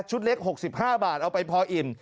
เล็ก๖๕บาทเอาไปพออิ่ม